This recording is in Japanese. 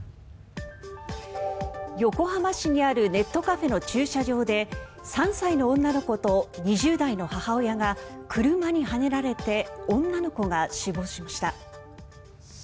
横浜市にあるネットカフェの駐車場で３歳の女の子と２０代の母親が車にはねられて女の子が死亡しました。